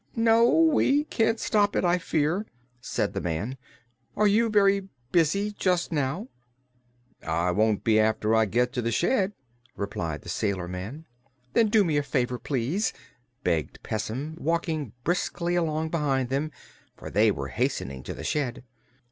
"No; we can't stop it, I fear," said the man. "Are you very busy just now?" "I won't be after I get to the shed," replied the sailor man. "Then do me a favor, please," begged Pessim, walking briskly along behind them, for they were hastening to the shed.